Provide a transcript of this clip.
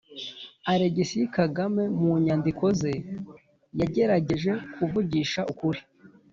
alegisi kagame mu nyandiko ze yagerageje kuvugisha ukuri